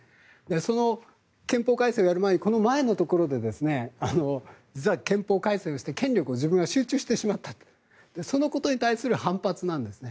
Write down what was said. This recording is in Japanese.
その憲法改正をやる前にこの前のところで実は憲法改正をして権力を自分に集中してしまったそのことに対する反発なんですね。